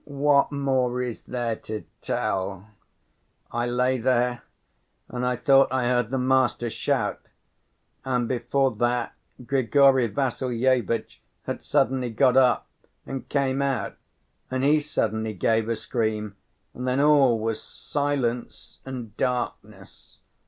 "What more is there to tell! I lay there and I thought I heard the master shout. And before that Grigory Vassilyevitch had suddenly got up and came out, and he suddenly gave a scream, and then all was silence and darkness.